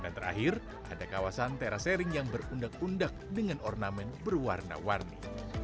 dan terakhir ada kawasan terasering yang berundak undak dengan ornamen berwarna warni